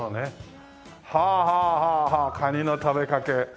はあはあはあはあカニの食べかけ。